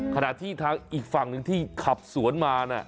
ขณะที่ทางอีกฝั่งหนึ่งที่ขับสวนมา